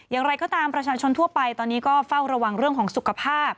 อย่างไรก็ตามประชาชนทั่วไปตอนนี้ก็เฝ้าระวังเรื่องของสุขภาพ